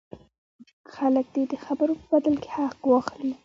خلک دې د خبرو په بدل کې حق واخلي.